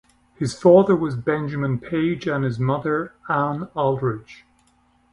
His father was Benjamin Page and his mother Ann Aldrich.